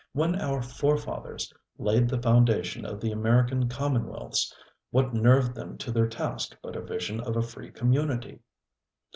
When our forefathers laid the foundation of the American commonwealths, what nerved them to their task but a vision of a free community?